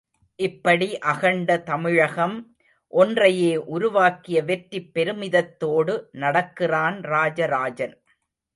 இப்படி அகண்ட தமிழகம் ஒன்றையே உருவாக்கிய வெற்றிப் பெருமிதத்தோடு நடக்கிறான் ராஜராஜன்.